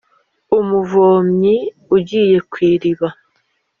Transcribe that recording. umuvomyi ugiye ku iriba,